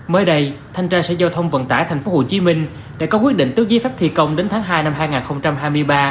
mới đây thanh tra sở giao thông vận tải tp hcm đã có quyết định tước giấy phép thi công đến tháng hai năm hai nghìn hai mươi ba